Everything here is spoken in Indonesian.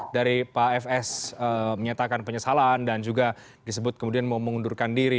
dari pak fs menyatakan penyesalan dan juga disebut kemudian mau mengundurkan diri